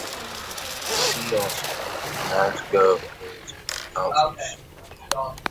See also: MassGov page on counties.